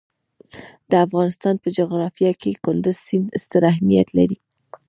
د افغانستان په جغرافیه کې کندز سیند ستر اهمیت لري.